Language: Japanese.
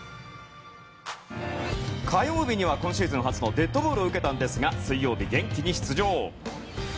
火曜日には今シーズン初のデッドボールを受けたんですが水曜日、元気に出場。